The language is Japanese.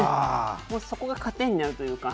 もうそこが糧になるというか。